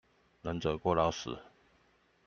能者過勞死